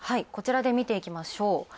こちらで見ていきましょう。